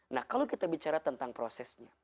nah kalau kita bicara tentang prosesnya